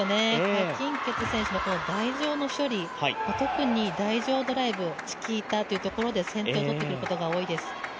何鈞傑選手のこの台上の処理、特に台上ドライブチキータというところで先手を取ってくるところが多いです。